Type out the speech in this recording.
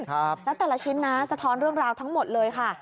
แล้วแต่ละชิ้นนะสะท้อนเรื่องราวทั้งหมดเลยค่ะ